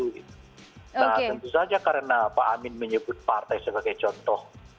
nah tentu saja karena pak amin menyebut partai sebagai contoh